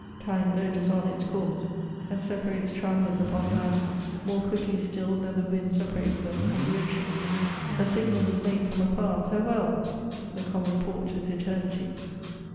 Time urges on its course, and separates travellers upon land, more quickly still than the wind separates them on the ocean ; a signal is made from afar — £ire well !— the common port is Eternity.